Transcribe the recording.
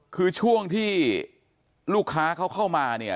คือช่วงที่ลูกค้าเขาเข้ามาเนี่ย